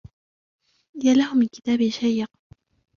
يا له من كتاب شيق!